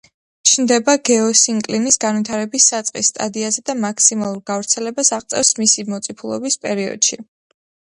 ჩნდება გეოსინკლინის განვითარების საწყის სტადიაზე და მაქსიმალურ გავრცელებას აღწევს მისი მოწიფულობის პერიოდში.